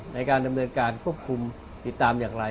ในการดำเนินการควบคุมติดตามอย่างไร